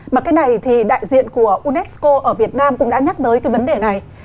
mà cái này thì đại diện của unesco ở việt nam cũng đã nhắc tới cái vấn đề này